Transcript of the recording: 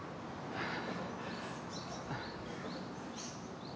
はあ。